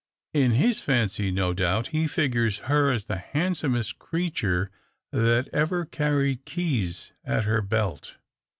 In his fancy, no doubt, he figures her as the handsomest creature that ever carried keys at her belt.